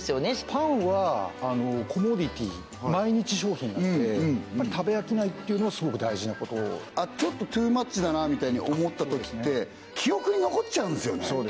パンはコモディティ毎日商品なので食べ飽きないっていうのはすごく大事なことちょっとトゥーマッチだなみたいに思ったときって記憶に残っちゃうんですよね